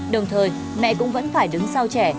đồng thời mẹ cũng vẫn phải đứng sau trẻ